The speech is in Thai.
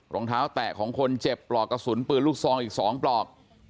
รองเท้าแตะของคนเจ็บปลอกกระสุนปืนลูกซองอีก๒ปลอก